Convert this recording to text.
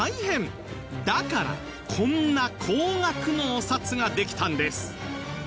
だからこんな高額のお札ができたんです